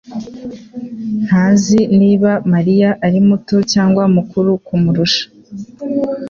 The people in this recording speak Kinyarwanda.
ntazi niba Mariya ari muto cyangwa mukuru kumurusha